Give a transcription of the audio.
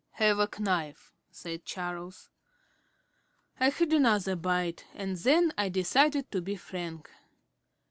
"Have a knife," said Charles. I had another bite, and then I decided to be frank.